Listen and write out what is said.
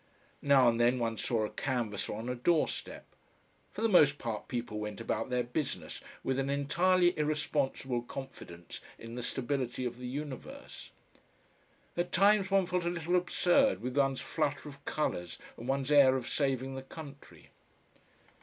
Now and then one saw a canvasser on a doorstep. For the most part people went about their business with an entirely irresponsible confidence in the stability of the universe. At times one felt a little absurd with one's flutter of colours and one's air of saving the country.